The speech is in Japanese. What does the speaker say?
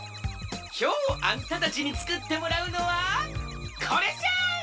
きょうあんたたちにつくってもらうのはこれじゃ！